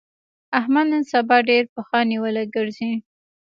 احمد نن سبا ډېر پښه نيولی ګرځي.